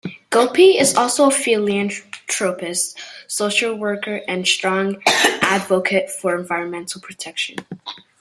Gopi is also a philanthropist, social worker, and a strong advocate for environmental protection.